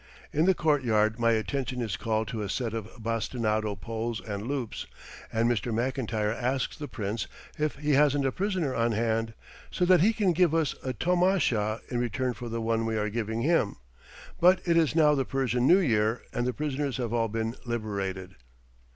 In the court yard my attention is called to a set of bastinado poles and loops, and Mr. McIntyre asks the Prince if he hasn't a prisoner on hand, so that he can give us a tomasha in return for the one we are giving him; but it is now the Persian New Year, and the prisoners have all been liberated.